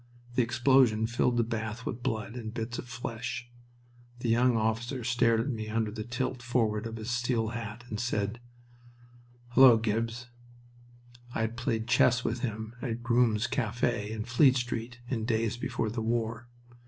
The explosion filled the bath with blood and bits of flesh. The younger officer stared at me under the tilt forward of his steel hat and said, "Hullo, Gibbs!" I had played chess with him at Groom's Cafe in Fleet Street in days before the war.